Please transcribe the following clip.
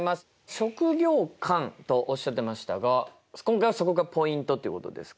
職業観とおっしゃってましたが今回はそこがポイントっていうことですか？